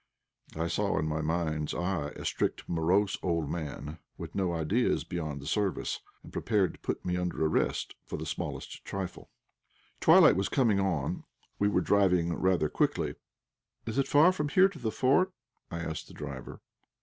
I saw in my mind's eye a strict, morose old man, with no ideas beyond the service, and prepared to put me under arrest for the smallest trifle. Twilight was coming on; we were driving rather quickly. "Is it far from here to the fort?" I asked the driver.